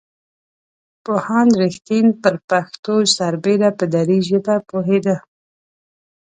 پوهاند رښتین پر پښتو سربېره په دري ژبه پوهېده.